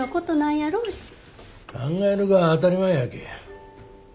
考えるが当たり前やき。